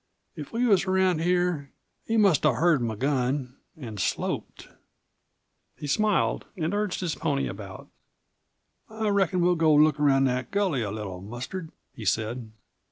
If he was around here he must have heard my gun an' sloped." He smiled and urged his pony about. "I reckon we'll go look around that gully a little, Mustard," he said.